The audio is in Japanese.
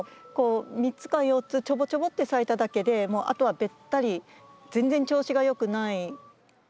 ３つか４つちょぼちょぼって咲いただけであとはべったり全然調子が良くない。